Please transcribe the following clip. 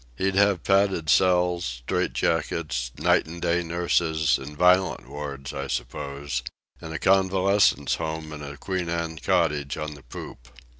He'd have padded cells, straitjackets, night and day nurses, and violent wards, I suppose—and a convalescents' home in a Queen Anne cottage on the poop.